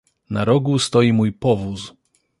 "„Na rogu stoi mój powóz."